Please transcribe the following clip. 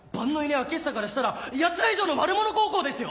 開久からしたらヤツら以上の悪者高校ですよ！